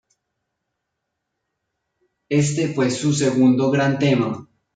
Este fue su segundo gran tema.